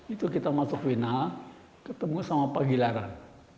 itu kita masuk final ketemu sama pak gilaran